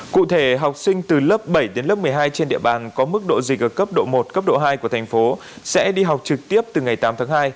cụ thể học sinh từ lớp bảy đến lớp một mươi hai trên địa bàn có mức độ dịch ở cấp độ một cấp độ hai của thành phố sẽ đi học trực tiếp từ ngày tám tháng hai